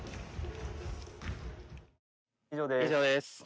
以上です。